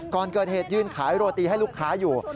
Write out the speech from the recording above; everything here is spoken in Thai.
ก่อนเกิดเหตุยืนขายโรตีให้ลูกค้าอยู่